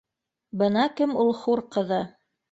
Бына кем ул хур ҡыҙы